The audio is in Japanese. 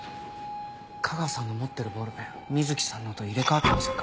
架川さんの持ってるボールペン水木さんのと入れ替わってませんか？